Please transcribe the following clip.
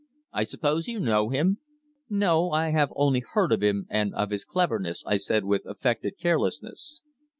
I suppose you know him?" "No. I have only heard of him, and of his cleverness," I said with affected carelessness.